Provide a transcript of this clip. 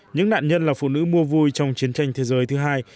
những nạn nhân là phụ nữ mua vui trong chiến tranh thế giới thứ hai